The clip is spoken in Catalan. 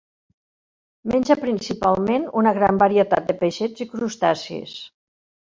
Menja principalment una gran varietat de peixets i crustacis.